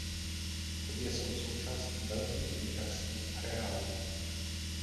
Obě jsou součástí velkých lyžařských areálů.